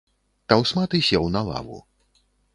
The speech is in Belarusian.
Таўсматы сеў на лаву.